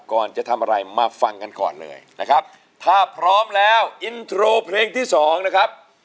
ก่อนจะทำอะไรมาฟังกันก่อนเลยนะครับถ้าพร้อมแล้วอินโทรเพลงที่สองนะครับ